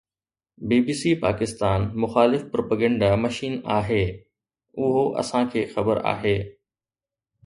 بي B C Pakistan مخالف propaganda machine آهي. اهو اسان کي خبر آهي